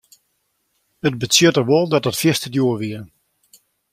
It betsjutte wol dat dat fierste djoer wie.